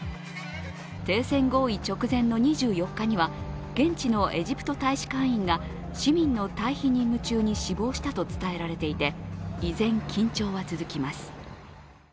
停戦合意直前の２４日には現地のエジプト大使館員が市民の退避任務中に死亡したと伝えられていて、依然緊張は続きます。